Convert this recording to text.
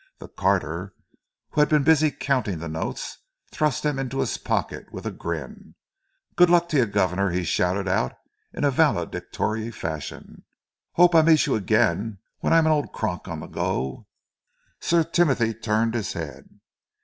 The carter, who had been busy counting the notes, thrust them into his pocket with a grin. "Good luck to yer, guvnor!" he shouted out, in valedictory fashion. "'Ope I meets yer again when I've an old crock on the go." Sir Timothy turned his head.